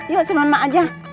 yuk sama mak aja